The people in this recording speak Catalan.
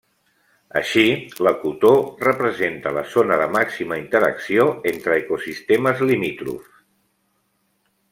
Així, l'ecotò representa la zona de màxima interacció entre ecosistemes limítrofs.